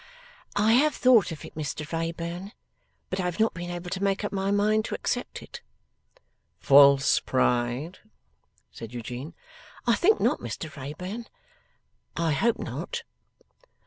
'I have thought of it, Mr Wrayburn, but I have not been able to make up my mind to accept it.' 'False pride!' said Eugene. 'I think not, Mr Wrayburn. I hope not.